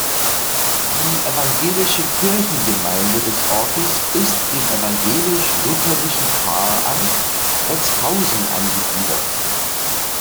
Die evangelische Kirchengemeinde des Orts ist dem "Evangelisch-Lutherischen Pfarramt Wetzhausen" angegliedert.